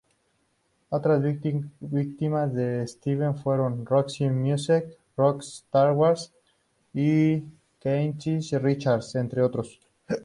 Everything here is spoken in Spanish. Otras víctimas de Steve fueron Roxy Music, Rod Stewart y Keith Richards, entre otros.